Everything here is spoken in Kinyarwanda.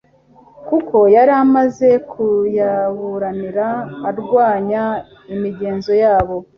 kuko yari amaze kuyaburanira arwanya imigenzo yabo.